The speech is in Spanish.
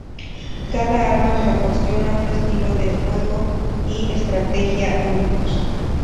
Cada arma proporciona un estilo de juego y estrategia únicos.